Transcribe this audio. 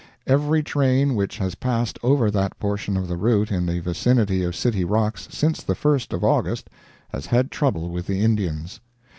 Every train which has passed over that portion of the route in the vicinity of City Rocks since the 1st of August has had trouble with the Indians.